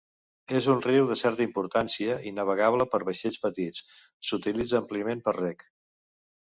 És un riu de certa importància i navegable per vaixells petits; s'utilitza àmpliament per reg.